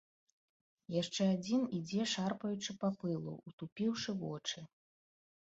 Яшчэ адзін ідзе шарпаючы па пылу, утупіўшы вочы.